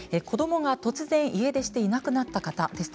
子どもが突然家出していなくなった方。